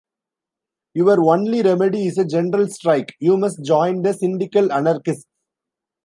Your only remedy is a general strike. You must join the syndical anarchists.